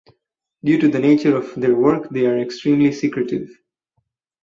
Due to the nature of their work they are extremely secretive.